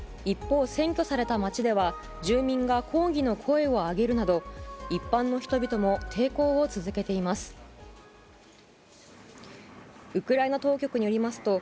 一方、選挙された街では住民が抗議の声を上げるなど一般の人々も抵抗を続けています。